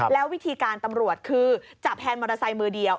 แล้ววิธีการตำรวจคือจับแฮนดมอเตอร์ไซค์มือเดียว